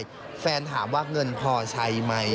หรือว่าอะไรแฟนถามว่าเงินพอใช้ไหม